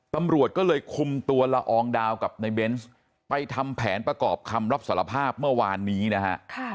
ตำรวจก็เลยคุมตัวละอองดาวกับในเบนส์ไปทำแผนประกอบคำรับสารภาพเมื่อวานนี้นะฮะ